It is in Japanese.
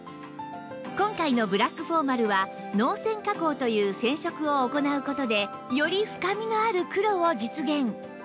今回のブラックフォーマルは濃染加工という染色を行う事でより深みのある黒を実現